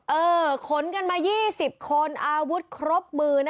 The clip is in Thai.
เออขนกันมา๒๐คนอาวุธครบมือนะคะ